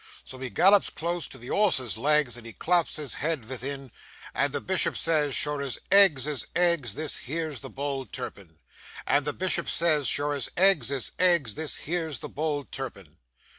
So he gallops close to the 'orse's legs, And he claps his head vithin; And the Bishop says, 'Sure as eggs is eggs, This here's the bold Turpin!' CHORUS And the Bishop says, 'Sure as eggs is eggs, This here's the bold Turpin!